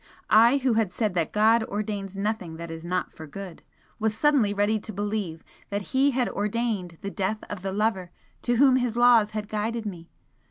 I, who had said that "God ordains nothing that is not for good" was suddenly ready to believe that He had ordained the death of the lover to whom His laws had guided me!